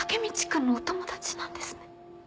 君のお友達なんですね。